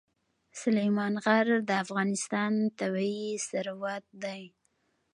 سلیمان غر د افغانستان طبعي ثروت دی.